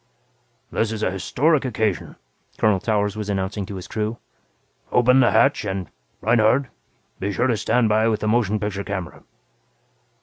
"This is an historic occasion," Colonel Towers was announcing to his crew. "Open the hatch and, Reinhardt, be sure to stand by with the motion picture camera."